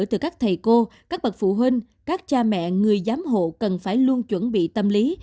từ các thầy cô các bậc phụ huynh các cha mẹ người giám hộ cần phải luôn chuẩn bị tâm lý